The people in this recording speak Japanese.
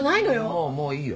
もうもういいよ。